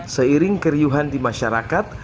seiring keriuhan di masyarakat